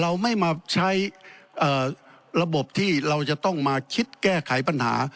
เราไม่มาใช้ระบบที่เราจะต้องมาคิดแก้ไขปัญหา